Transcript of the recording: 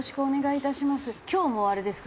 今日もあれですか？